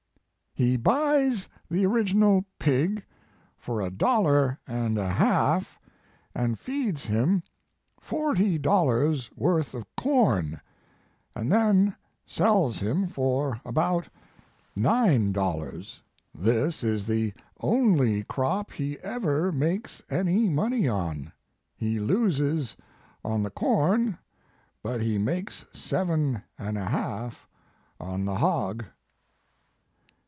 " "He buys the original pig for a dollar and a half, and feeds him forty dollars worth of corn, and then sells him for about nine dollars. This is the only crop he ever makes any money on. He loses on the corn, but he makes seven and a half on the hog."